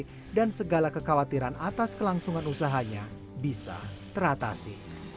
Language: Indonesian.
tapi dan segala kekhawatiran atas kelangsungan usahanya bisa teratasi